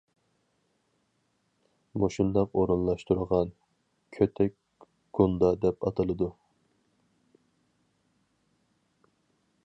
مۇشۇنداق ئورۇنلاشتۇرغان كۆتەك گۇندا دەپ ئاتىلىدۇ.